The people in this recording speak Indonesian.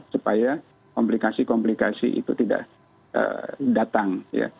supaya komplikasi komplikasi itu tidak datang